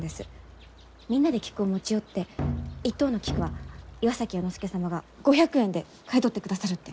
みんなで菊を持ち寄って一等の菊は岩崎弥之助様が５００円で買い取ってくださるって。